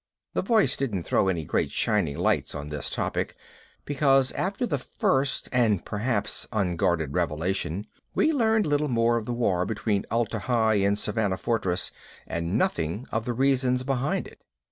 The voice didn't throw any great shining lights on this topic, because after the first and perhaps unguarded revelation, we learned little more of the war between Atla Hi and Savannah Fortress and nothing of the reasons behind it.